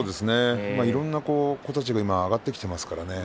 いろんな子たちが今上がってきていますからね。